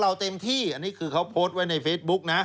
เต็มที่อันนี้คือเขาโพสต์ไว้ในเฟซบุ๊กนะ